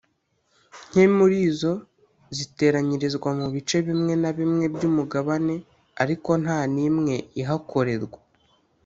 nke muri zo ziteranyirizwa mu bice bimwe na bimwe by’umugabane ariko nta n’imwe ihakorerwa